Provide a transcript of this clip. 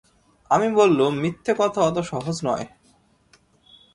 আমি বললুম, মিথ্যে কথা অত সহজ নয়।